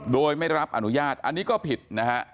โดยไม่รับอนุญาตอันนี้ก็ผิดนะฮะ